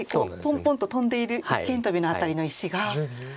ポンポンとトンでいる一間トビの辺りの石が。